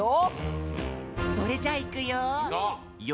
それじゃいくよ。